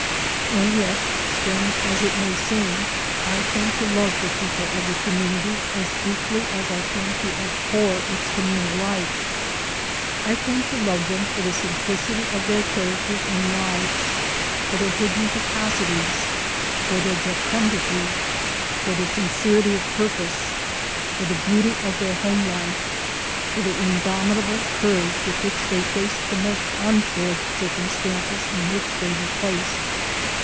And yet, strange as it may seem, I came to love the people of the community as deeply as I came to abhor its communal life; I came to love them for the simplicity of their characters and lives, for their hidden capacities, for their jocundity, for their sin cerity of purpose, for the beauty of their home life, for the indomitable courage with which they faced the most untoward circumstances in which they were placed.